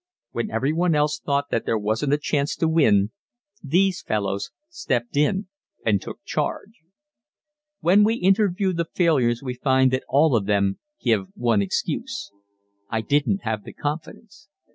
When everyone else thought that there wasn't a chance to win these fellows stepped in and took charge. When we interview the failures we find that all of them give one excuse: "_I didn't have the confidence.